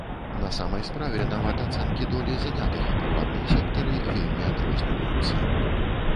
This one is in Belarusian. На самай справе, нават ацэнкі долі занятых у прыватным сектары вельмі адрозніваюцца.